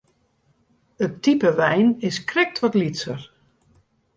It type wein is krekt wat lytser.